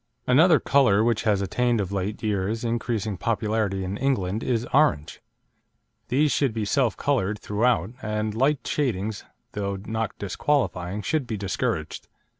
Another colour which has attained of late years increasing popularity in England is orange. These should be self coloured throughout, and light shadings, though not disqualifying, should be discouraged.